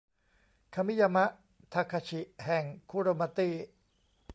คามิยามะ ทาคาชิ แห่ง คุโรมาตี้